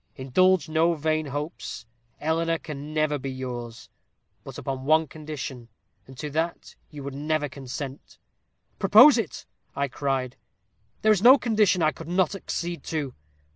Indulge no vain hopes. Eleanor never can be yours, but upon one condition, and to that you would never consent!' 'Propose it!' I cried; 'there is no condition I could not accede to.'